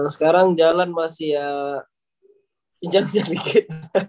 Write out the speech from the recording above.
sekarang jalan masih ya pinjang pinjang dikit